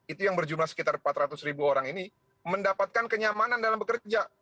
itu yang berjumlah sekitar empat ratus ribu orang ini mendapatkan kenyamanan dalam bekerja